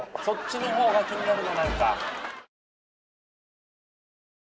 そっちの方が気になるななんか。